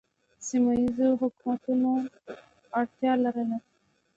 سیمه ییزو حکومتونو اړتیا لرله